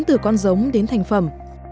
từ con giống đến thành phẩm